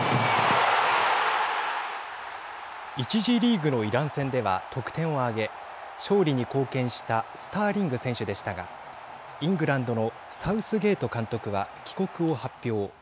１次リーグのイラン戦では得点を挙げ勝利に貢献したスターリング選手でしたがイングランドのサウスゲート監督は帰国を発表。